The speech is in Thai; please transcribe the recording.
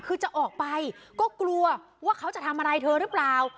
คือจะออกไปก็กลัวว่าเขาจะทำอะไรเธอหรือเปล่า